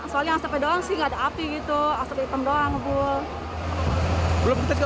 soalnya asapnya doang sih nggak ada api gitu asap hitam doang